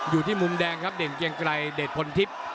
อยู่ที่มุมแดงครับเด่นเกียงไกรเด่นพลทิพย์